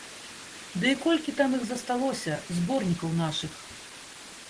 Ды і колькі там іх засталося, зборнікаў нашых?